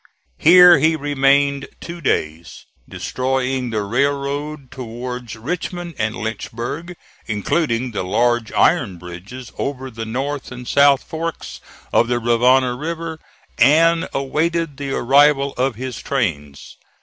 Here he remained two days, destroying the railroad towards Richmond and Lynchburg, including the large iron bridges over the north and south forks of the Rivanna River and awaited the arrival of his trains.